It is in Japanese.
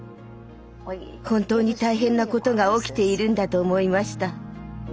本当に大変なことが起きているんだと思いました。